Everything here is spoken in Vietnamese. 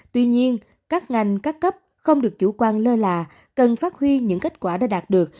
tuy nhiên các ngành các cấp không được chủ quan lơ là cần phát huy những kết quả đã đạt được